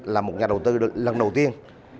là một nhà đầu tư lần đầu tiên